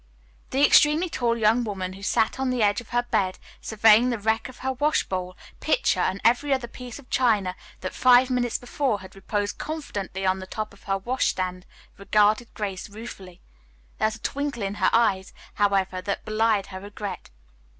The extremely tall young woman who sat on the edge of her bed surveying the wreck of her washbowl, pitcher and every other piece of china that five minutes before had reposed confidently on the top of her washstand regarded Grace ruefully. There was a twinkle in her eyes, however, that belied her regret.